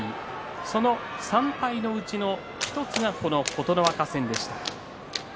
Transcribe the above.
その３敗のうちの１つがこの琴ノ若戦でした。